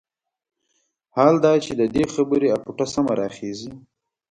حال دا چې د دې خبرې اپوټه سمه راخېژي.